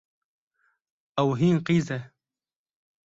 Ew hîn qîz e.